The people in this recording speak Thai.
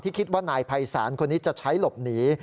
คิดว่านายภัยศาลคนนี้จะใช้หลบหนี